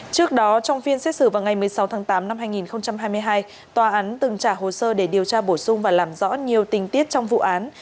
trước đó trong phiên xét xử vào ngày một mươi sáu tháng tám năm hai nghìn hai mươi hai tòa án từng trả hồ sơ để điều tra bổ sung và làm rõ nhiều tình tiết trong vụ án